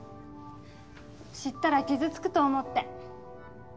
知ったら傷つくと思って。